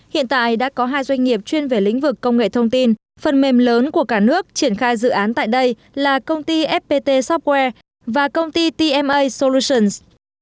hiện tại đã có hai doanh nghiệp chuyên về lĩnh vực công nghệ thông tin phần mềm lớn của cả nước triển khai dự án tại đây là công ty fpt software và công ty tma solutions